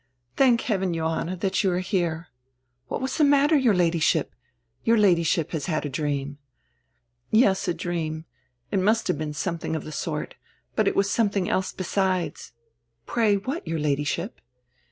"Thank heaven, Johanna, that you are here." "What was tire nratter, your Ladyship? Your Lady ship has had a dream. " "Yes, a dream. It must have heen something of the sort, hut it was something else besides." "Pray, what, your Ladyship?